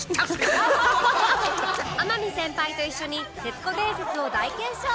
天海先輩と一緒に徹子伝説を大検証！